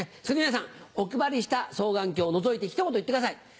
そこで皆さんお配りした双眼鏡をのぞいてひと言言ってください。